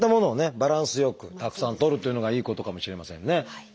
バランスよくたくさんとるというのがいいことかもしれませんね。